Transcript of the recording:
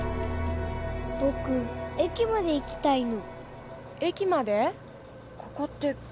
何で駅まで行きたいの？